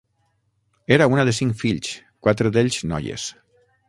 Era una de cinc fills, quatre d'ells noies.